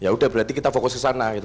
ya udah berarti kita fokus ke sana gitu